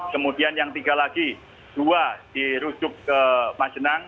kemudian yang tiga lagi dua dirujuk ke majenang